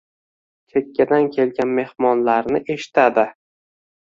Chekkadan kelgan mehmonlarni eshitadi.